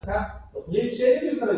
ګوبی ميده وي.